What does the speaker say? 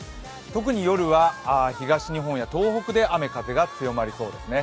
特に夜は東日本や東北で雨・風が強まりそうですね。